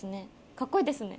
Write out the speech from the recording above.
かっこいいですね。